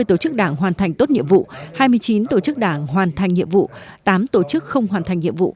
hai mươi hai một bốn trăm sáu mươi tổ chức đảng hoàn thành tốt nhiệm vụ hai mươi chín tổ chức đảng hoàn thành nhiệm vụ tám tổ chức không hoàn thành nhiệm vụ